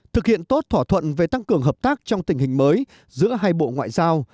thực hiện tốt thỏa thuận về tăng cường hợp tác trong tình hình mới giữa hai bộ ngoại giao